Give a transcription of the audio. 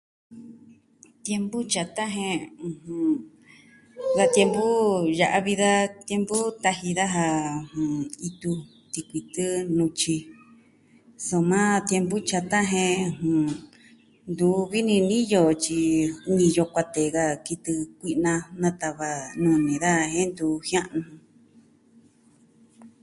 Tiempu tyata jen, ɨjɨn, da tiempu ya'a vi da tiempu taji daja, ɨjɨn, itu, tikuitɨ, nutyi, soma tiempu tyata jen ntuvi ni niyo, tyi niyo kuatee ka kitɨ kui'na natava nuni daja jen ntu jia'nu jun.